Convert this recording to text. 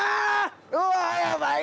うわっやばい！